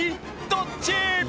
どっち？